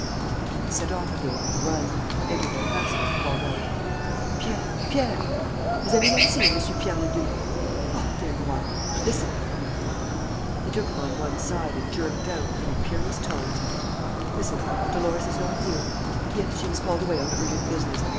..." He set off again at a run, entered the castle and called out: "Pierre! Pierre! ... Has any one seen M. Pierre Leduc? ... Oh, there you are! ... Listen. ..." He took him on one side and jerked out, in imperious tones: "Listen, Dolores is not here. ... Yes, she was called away on urgent business